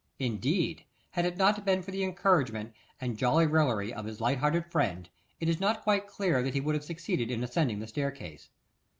Indeed, had it not been for the encouragement and jolly raillery of his light hearted friend, it is not quite clear that he would have succeeded in ascending the staircase.